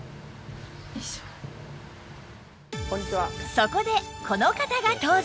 そこでこの方が登場！